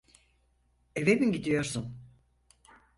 Eve mi gidiyorsun?